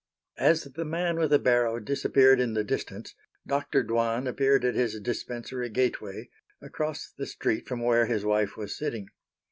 As the man with the barrow disappeared in the distance, Dr. Dwan appeared at his dispensary gateway, across the street from where his wife was sitting.